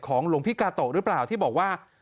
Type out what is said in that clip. หลวงพี่กาโตะหรือเปล่าที่บอกว่า